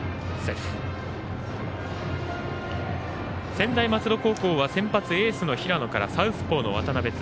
専大松戸高校は先発、エースの平野からサウスポーの渡邉翼。